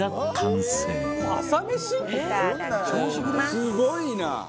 「すごいな」